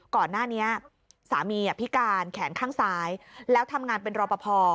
ก่อนหน้านี้สามีพิการแขนข้างซ้ายแล้วทำงานเป็นรอปภ